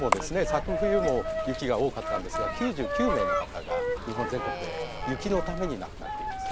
昨冬も雪が多かったんですが９９名の方が日本全国で雪のために亡くなっています。